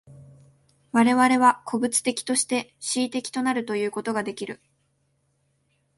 我々は個物的として思惟的となるということができる。